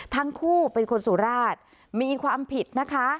ทั้งคู่เป็นคนสุราชมีความผิดนะคะ